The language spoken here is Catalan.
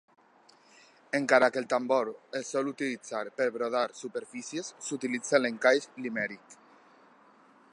Encara que el tambour es sol utilitzar per brodar superfícies, s"utilitza a l"encaix Limerick.